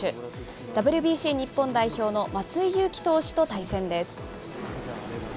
ＷＢＣ日本代表の松井裕樹投手と対戦です。